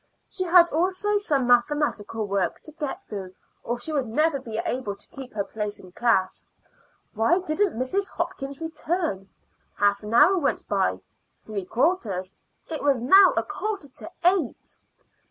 She had also some mathematical work to get through or she would never be able to keep her place in class. Why didn't Mrs. Hopkins return? Half an hour went by; three quarters. It was now a quarter to eight.